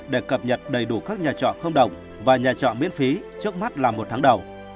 để cập nhật đầy đủ các nhà trọ không đồng và nhà trọ miễn phí trước mắt là một tháng đầu